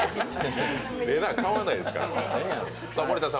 れなぁ買わないですから。